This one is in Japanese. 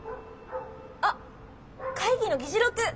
あっ会議の議事録！